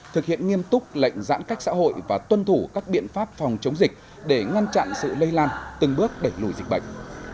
thực hiện nghiêm túc lệnh giãn cách xã hội và tuân thủ các biện pháp phòng chống dịch để ngăn chặn sự lây lan từng bước đẩy lùi dịch bệnh